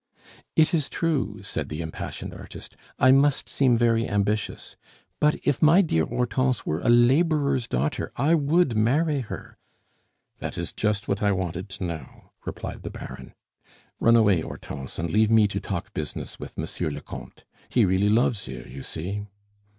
"It is true," said the impassioned artist. "I must seem very ambitious. But if my dear Hortense were a laborer's daughter, I would marry her " "That is just what I wanted to know," replied the Baron. "Run away, Hortense, and leave me to talk business with Monsieur le Comte. He really loves you, you see!"